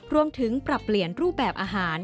รวมถึงปรับเปลี่ยนรูปแบบอาหาร